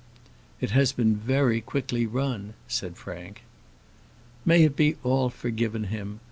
"It has been very quickly run," said Frank. "May it be all forgiven him!